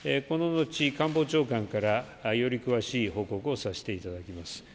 この後官房長官からより詳しい報告をさせていただきます。